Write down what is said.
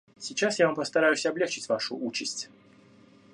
Сейчас я вам постараюсь облегчить вашу участь.